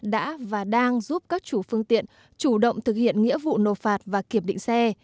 đã và đang giúp các chủ phương tiện chủ động thực hiện nghĩa vụ nộp phạt và kiểm định xe